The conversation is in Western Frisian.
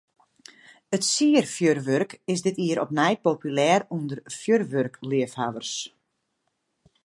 It sierfjurwurk is dit jier opnij populêr ûnder fjurwurkleafhawwers.